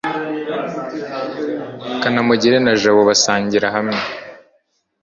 kanamugire na jabo basangiraga hamwe